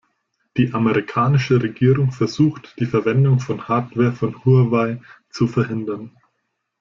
Die amerikanische Regierung versucht die Verwendung von Hardware von Huawei zu verhindern.